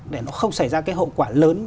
để nó không xảy ra cái hậu quả lớn